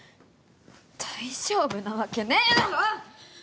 大丈夫なわけねぇだろ！